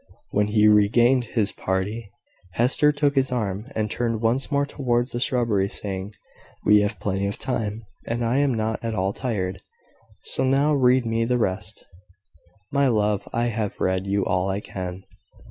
When he regained his party, Hester took his arm, and turned once more towards the shrubbery, saying "We have plenty of time, and I am not at all tired: so now read me the rest." "My love, I have read you all I can."